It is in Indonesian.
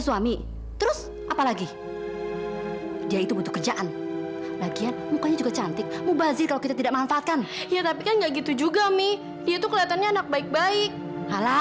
sampai jumpa di video selanjutnya